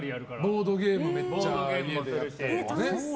ボードゲームもめっちゃ家で。